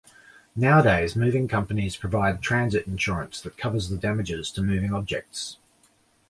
Nowadays moving companies provide transit insurance that covers the damages to moving objects.